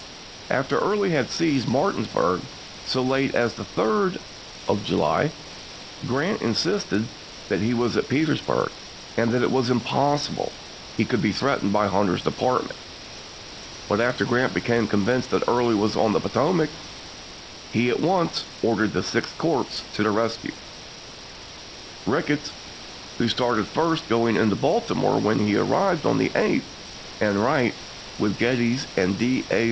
After Early had seized Martinsburg, 1864. so late as the 3d of July, Grant insisted that he was at Petersburg, and that it was impossible he could be threatening Hunter's department. But after Grant became convinced that Early was on the Potomac, he at once ordered the Sixth Corps to the rescue, Ricketts, who started first, going to Baltimore, where he arrived on the 8th, and Wright, with Getty's and D. A.